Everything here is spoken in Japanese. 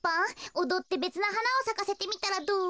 おどってべつなはなをさかせてみたらどう？